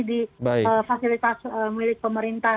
di fasilitas milik pemerintah